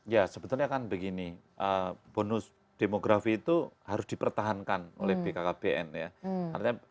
ya sebetulnya kan begini bonus demografi itu harus dipertahankan oleh bkkbn ya